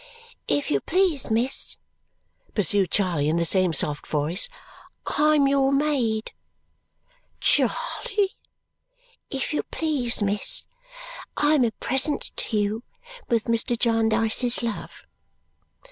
"If you please, miss," pursued Charley in the same soft voice, "I'm your maid." "Charley?" "If you please, miss, I'm a present to you, with Mr. Jarndyce's love."